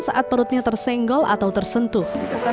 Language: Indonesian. saat perutnya tersenggol atau tersentuh